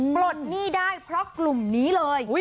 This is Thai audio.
ปลดหนี้ได้เพราะกลุ่มนี้เลย